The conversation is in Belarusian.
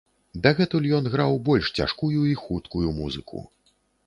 Дагэтуль ён граў больш цяжкую і хуткую музыку.